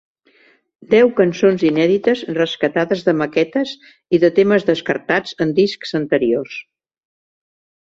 Deu cançons inèdites rescatades de maquetes i de temes descartats en discs anteriors.